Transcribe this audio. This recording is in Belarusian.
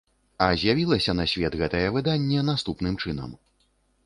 А з'явілася на свет гэтае выданне наступным чынам.